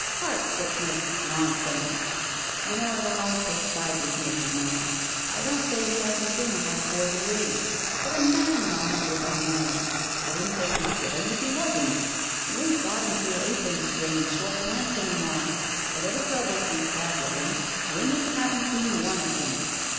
"Heart sickness, nonsense! You know I don't always take sides with Nicky, Mamma. I don't say he hasn't been a hard boy to raise. But a man. Mamma, is a man ! I wouldn't think much of him if he wasn't. You 'ain't got him to your apron string in short pants any more. Whatever troubles we've had with him, women haven't been one of them.